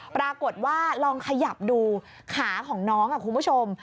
ปรากฏว่าลองขยับดูขาของน้องคุณผู้ชม